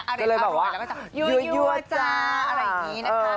อร่อยแล้วก็จะยั่วจ้าอะไรอย่างนี้นะคะ